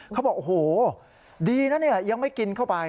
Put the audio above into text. เขาบอกโอ้โหดีนะเนี่ยยังไม่กินเข้าไป